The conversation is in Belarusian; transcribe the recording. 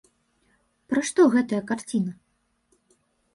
Пра што гэтая карціна?